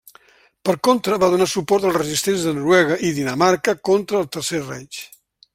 Per contra, va donar suport als resistents de Noruega i Dinamarca contra el Tercer Reich.